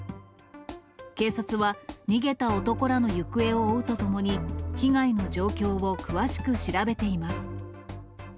警察は、逃げた男らの行方を追うとともに、被害の状況を詳しく調べています。